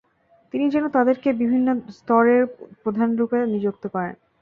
তিনি যেন তাদেরকে বিভিন্ন স্তরের প্রধানরূপে নিযুক্ত করেন।